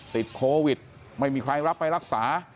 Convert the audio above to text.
ติดโควิดไม่มีใครรับไปรักษา